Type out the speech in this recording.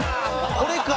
これか！